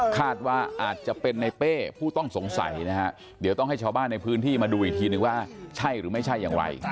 คาดว่าอาจจะเป็นในเป้ผู้ต้องสงสัยนะฮะเดี๋ยวต้องให้ชาวบ้านในพื้นที่มาดูอีกทีนึงว่าใช่หรือไม่ใช่อย่างไร